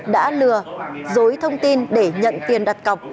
đã lừa dối thông tin để nhận tiền đặt cọc